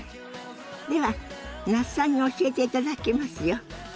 では那須さんに教えていただきますよ。